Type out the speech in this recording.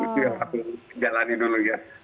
itu yang harus kita jalani dulu ya